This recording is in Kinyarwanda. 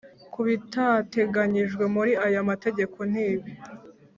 Ku bitateganyijwe muri aya amategeko nibi